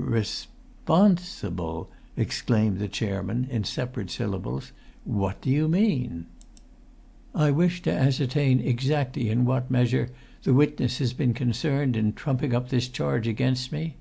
"Re spon si ble!" exclaimed the chairman in separate syllables. "What do you mean?" "I wish to ascertain exactly in what measure the witness has been concerned in trumping up this charge against me."